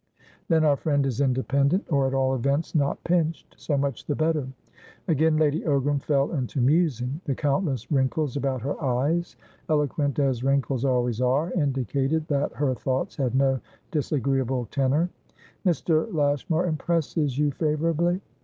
"Then our friend is independentor at all events not pinched. So much the better." Again Lady Ogram fell into musing; the countless wrinkles about her eyes, eloquent as wrinkles always are, indicated that her thoughts had no disagreeable tenor. "Mr. Lashmar impresses you favourably?"